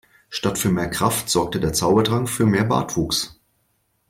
Statt für mehr Kraft sorgte der Zaubertrank für mehr Bartwuchs.